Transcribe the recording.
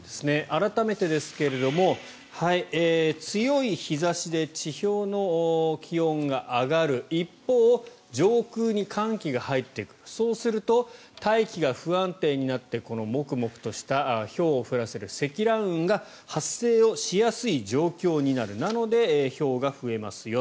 改めてですが強い日差しで地表の気温が上がる一方、上空に寒気が入ってくるそうすると大気が不安定になってこのモクモクとしたひょうを降らせる積乱雲が発生をしやすい状況になるなので、ひょうが増えますよ。